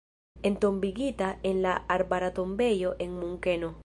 Entombigita en la Arbara Tombejo en Munkeno.